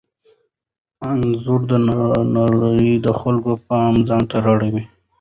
انځور د نړۍ د خلکو پام ځانته را اړوي.